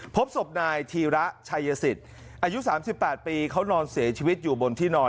พบศพนายธีระชัยสิทธิ์อายุ๓๘ปีเขานอนเสียชีวิตอยู่บนที่นอน